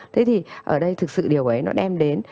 thế thì ở đây thực sự điều ấy nó đem đến